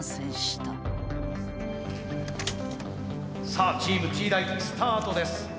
さあチームＴ大スタートです。